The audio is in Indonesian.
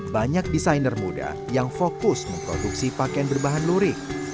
banyak desainer muda yang fokus memproduksi pakaian berbahan lurik